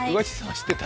知ってた？